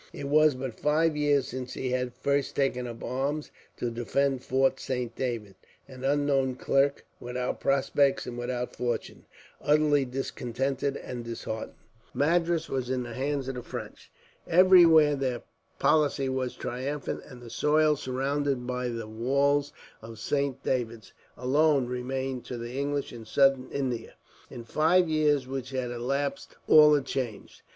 It was but five years since he had first taken up arms to defend Fort Saint David, an unknown clerk, without prospects and without fortune, utterly discontented and disheartened. Madras was in the hands of the French. Everywhere their policy was triumphant, and the soil surrounded by the walls of Saint David's, alone, remained to the English in Southern India. In the five years which had elapsed, all had changed.